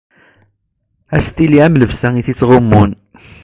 Ad as-tili am llebsa i t-ittɣummun.